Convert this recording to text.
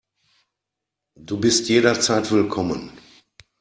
Du bist jederzeit willkommen.